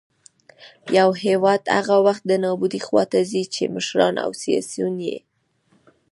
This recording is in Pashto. يـو هـېواد هـغه وخـت د نـابـودۍ خـواتـه ځـي ،چـې مـشران او سـياسيون يـې